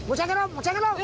持ち上げろ！